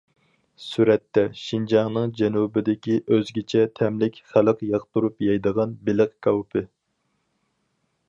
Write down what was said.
سۈرەتتە: شىنجاڭنىڭ جەنۇبىدىكى ئۆزگىچە تەملىك، خەلق ياقتۇرۇپ يەيدىغان بېلىق كاۋىپى.